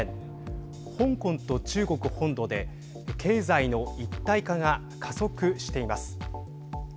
香港と中国本土で経済の一体化が加速しています。